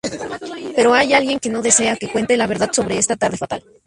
Pero hay alguien que no desea que cuente la verdad sobre esa tarde fatal.